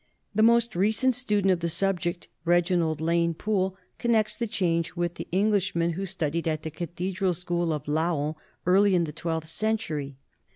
The most recent student of the subject, Reginald Lane Poole, connects the change with the Englishmen who studied at the cathedral school of Laon early in the twelfth century.